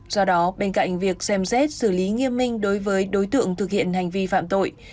do đó bên cạnh việc xem xét xử lý nghiêm minh đối với đối tượng thực hiện hành vi phạm tội